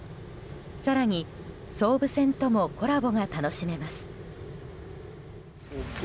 更に総武線ともコラボが楽しめます。